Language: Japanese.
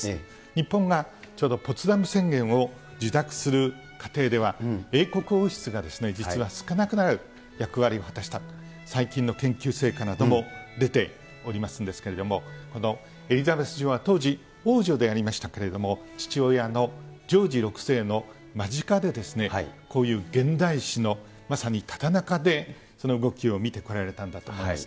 日本がちょうどポツダム宣言を受諾する過程では、英国王室が実は少なからず役割を果たしたという最近の研究成果なども出ておりますんですけれども、このエリザベス女王は当時、王女でありましたけれども、父親のジョージ６世の間近で、こういう現代史のまさにただ中で、その動きを見てこられたんだと思います。